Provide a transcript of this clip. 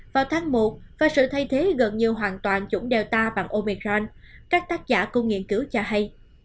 vào tháng một và sự thay thế gần như hoàn toàn chủng delta bằng omicront các tác giả cung nghiên cứu cho hay